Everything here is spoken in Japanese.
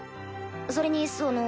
それにその。